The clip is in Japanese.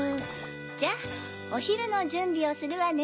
じゃあおひるのじゅんびをするわね。